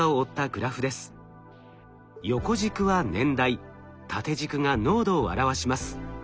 横軸は年代縦軸が濃度を表します。